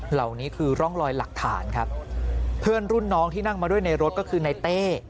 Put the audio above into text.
เหล่านี้คือร่องรอยหลักฐานครับเพื่อนรุ่นน้องที่นั่งมาด้วยในรถก็คือในเต้